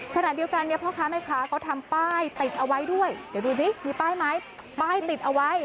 ขณะเดียวกันเนี่ยพ่อค้าแม่ค้าเขาทำป้ายติดเอาไว้ด้วยเดี๋ยวดูดิมีป้ายไหมป้ายติดเอาไว้